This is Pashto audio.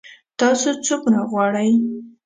تاسو څومره غواړئ؟